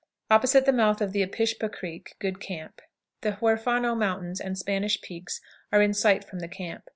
Opposite the mouth of the Apishpa Creek; good camp. The Huerfano Mountains and Spanish Peaks are in sight from the camp.